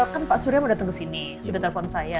kan pak surya mau datang ke sini sudah telepon saya